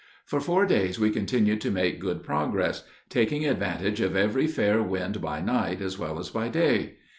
For four days we continued to make good progress, taking advantage of every fair wind by night as well as by day.